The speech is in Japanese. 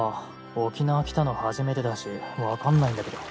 沖縄来たの初めてだし分かんないんだけど。